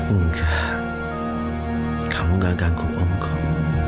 enggak kamu gak ganggu om kok